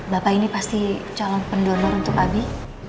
bapak ini pasti calon pendonor untuk abi